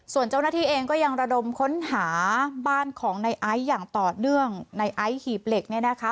ส่วนเจ้าหน้าที่เองก็ยังระดมค้นหาบ้านของในไอซ์อย่างต่อเนื่องในไอซ์หีบเหล็กเนี่ยนะคะ